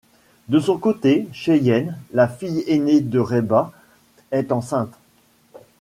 De son côté, Cheyenne, la fille aînée de Reba, est enceinte.